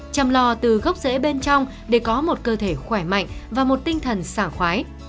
chăm lo từ gốc rễ bên trong để có một cơ thể khỏe mạnh và một tinh thần xả khói